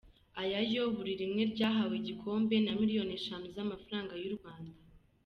Aya yo buri rimwe ryahawe igikombe na miliyoni eshanu z’amafaranga y’u Rwanda.